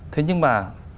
thế nhưng mà